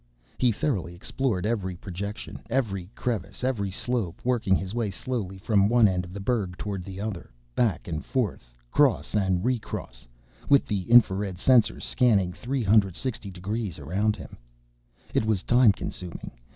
He thoroughly explored every projection, every crevice, every slope, working his way slowly from one end of the 'berg toward the other. Back and forth, cross and re cross, with the infrared sensors scanning three hundred sixty degrees around him. It was time consuming.